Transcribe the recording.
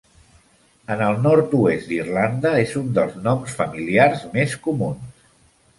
En el nord-oest d'Irlanda és un dels noms familiars més comuns.